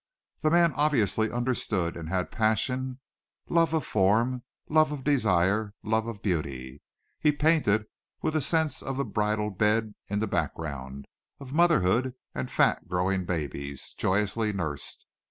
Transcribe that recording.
The man obviously understood and had passion, love of form, love of desire, love of beauty. He painted with a sense of the bridal bed in the background; of motherhood and of fat, growing babies, joyously nursed.